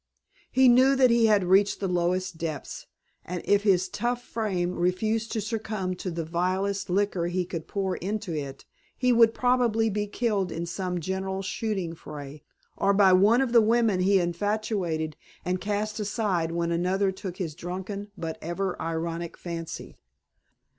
He knew that he had reached the lowest depths, and if his tough frame refused to succumb to the vilest liquor he could pour into it, he would probably be killed in some general shooting fray, or by one of the women he infatuated and cast aside when another took his drunken but ever ironic fancy.